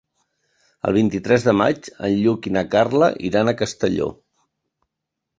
El vint-i-tres de maig en Lluc i na Carla iran a Castelló.